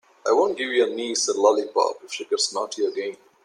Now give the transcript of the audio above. I won't give your niece a lollipop if she gets naughty again.